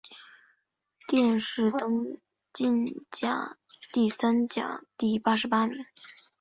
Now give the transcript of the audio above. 殿试登进士第三甲第八十八名。